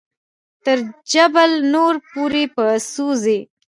تر جبل نور پورې په څو ځې.